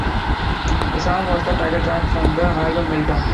The song was the title track from the album "Meltdown".